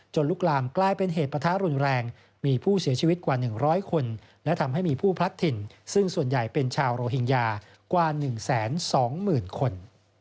ลุกลามกลายเป็นเหตุประทะรุนแรงมีผู้เสียชีวิตกว่า๑๐๐คนและทำให้มีผู้พลัดถิ่นซึ่งส่วนใหญ่เป็นชาวโรฮิงญากว่า๑๒๐๐๐คน